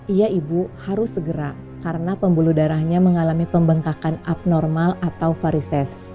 iya ibu harus segera karena pembuluh darahnya mengalami pembengkakan abnormal atau varises